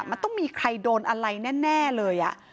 มันต้องมีใครโดนอะไรแน่เลย